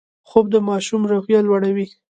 خوب د ماشوم روحیه لوړوي